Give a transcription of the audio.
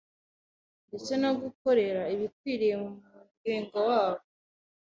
ndetse no gukore ibikwiye mu muryengo webo.